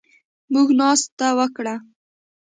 موږ ناسته وکړه